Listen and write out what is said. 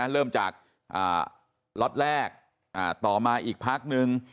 เริ่มจากล็อตแรกต่อมาอีกพักนึง